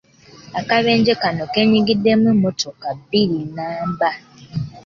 Akabenje kano kenyigiddemu emmotoka bbiri nnamba.